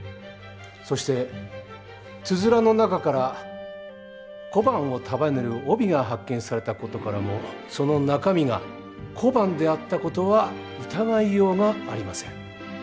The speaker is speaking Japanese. そしてつづらの中から小判を束ねる帯が発見された事からもその中身が小判であった事は疑いようがありません。